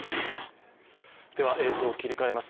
映像を切り替えます。